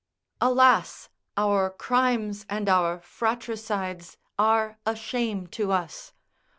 ["Alas! our crimes and our fratricides are a shame to us!